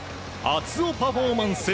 熱男パフォーマンス。